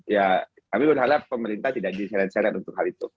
ya kami berharap pemerintah tidak diseret seret untuk hal itu